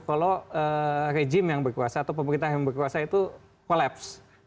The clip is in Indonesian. kalau rejim yang berkuasa atau pemerintah yang berkuasa itu kolaps